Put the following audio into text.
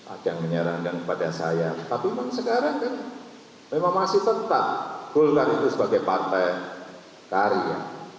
ada yang menyarankan kepada saya tapi memang sekarang kan memang masih tetap golkar itu sebagai partai karya